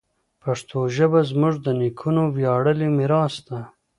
پښتو ژبه زموږ د نیکونو ویاړلی میراث ده.